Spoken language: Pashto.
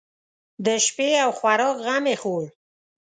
د شپې او خوراک غم یې خوړ.